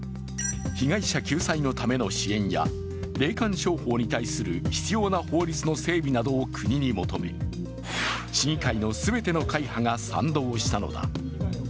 被害者救済のための支援や霊感商法に対する必要な法律の整備などを国に求め、市議会の全ての会派が賛同したのだ。